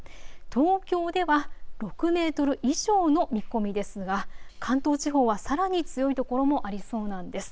東京では６メートル以上の見込みですが関東地方はさらに強いところもありそうなんです。